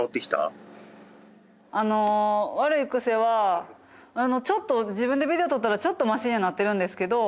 悪い癖はちょっと自分でビデオ撮ったらちょっとましにはなってるんですけど。